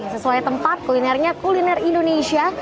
sesuai tempat kulinernya kuliner indonesia